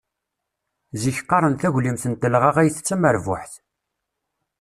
Zik qqaren taglimt n telɣaɣayt d tamerbuḥt.